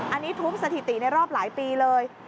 อันนี้ทุบสถิติในรอบหลายปีเลย